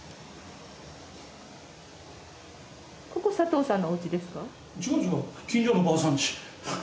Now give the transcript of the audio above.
ここ佐藤さんのおうちですか？